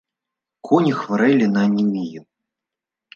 Коні хварэлі на анемію.